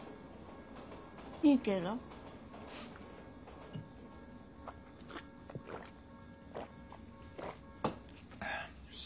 いいけど。ああよし。